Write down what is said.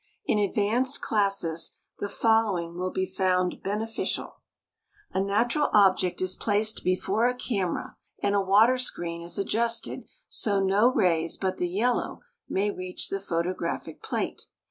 In advanced classes the following will be found beneficial: A natural object is placed before a camera and a water screen is adjusted so no rays but the yellow may reach the photographic plate.